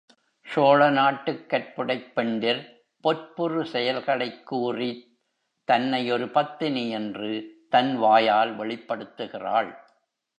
சோழ நாட்டுக் கற்புடைப் பெண்டிர் பொற்புறு செயல்களைக் கூறித் தன்னை ஒரு பத்தினி என்று தன் வாயால் வெளிப்படுத்துகிறாள்.